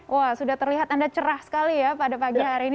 wah sudah terlihat anda cerah sekali ya pada pagi hari ini